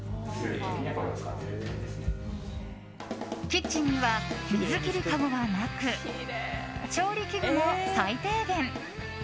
キッチンには水切りかごがなく調理器具も最低限。